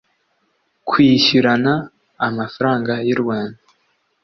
kwishyurana amafaranga y u rwanda